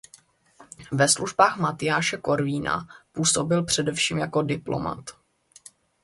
Ve službách Matyáše Korvína působil především jako diplomat.